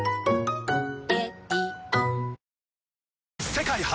世界初！